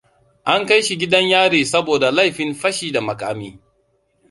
An kaishi gidan yari saboda laifin fashi da makami.